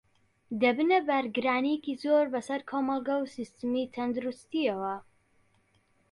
دەبنە بارگرانییەکی زۆر بەسەر کۆمەڵگە و سیستمی تەندروستییەوە